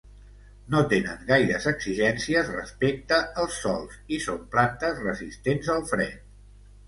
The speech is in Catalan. No tenen gaires exigències respecte als sòls i són plantes resistents al fred.